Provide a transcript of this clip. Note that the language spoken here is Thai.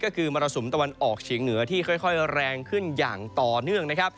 ก็คือมรสุมตะวันออกเฉียงเหนือที่ค่อยแรงขึ้นอย่างต่อเนื่องนะครับ